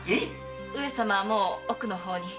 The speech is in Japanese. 上様はもう奥の方に。